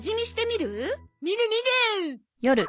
みるみる。